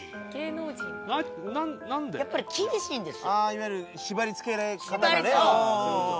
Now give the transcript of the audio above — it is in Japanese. やっぱり厳しいんですよ。